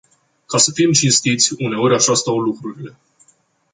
Ca să fim cinstiți, uneori așa stau lucrurile.